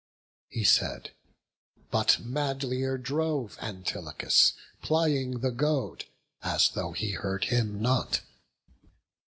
He said; but madlier drove Antilochus, Plying the goad, as though he heard him not.